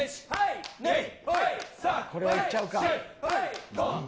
これはいっちゃうか。